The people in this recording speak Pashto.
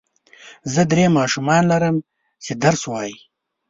زه درې ماشومان لرم چې درس وايي.